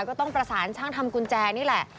ก็ต้องประสานช่างทำกุญแจนี่แหละ